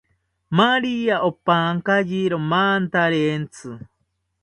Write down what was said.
Maria opankayiro mantarentzi